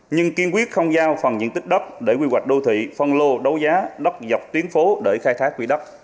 nhưng kiên quyết không giao phần diện tích đất để quy hoạch đô thị phân lô đấu giá đất dọc tuyến phố để khai thác quỹ đất